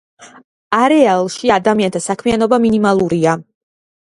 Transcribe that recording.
არეალში ადამიანთა საქმიანობა მინიმალურია.